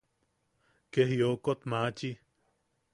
¡Ke jiokot machi!